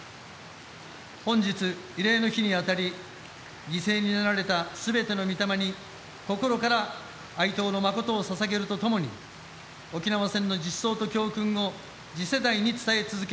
本日、慰霊の日にあたり犠牲になられた、すべての御霊に心から哀悼の誠をささげるとともに沖縄戦の実相と教訓を次世代に伝え続け